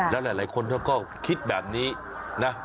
แล้วหลายคนเขาก็คิดแบบนี้นะ